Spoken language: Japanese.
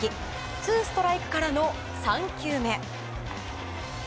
ツーストライクからの３球目。